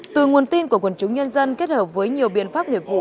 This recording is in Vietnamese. từ nguồn tin của quần chúng nhân dân kết hợp với nhiều biện pháp nghiệp vụ